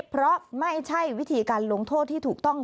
เพราะไม่ใช่วิธีการลงโทษที่ถูกต้อง